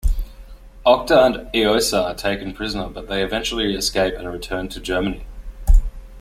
Octa and Eosa are taken prisoner, but they eventually escape and return to Germany.